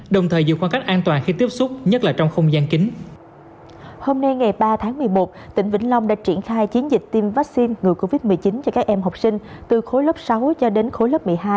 covid một mươi chín cho các em học sinh từ khối lớp sáu cho đến khối lớp một mươi hai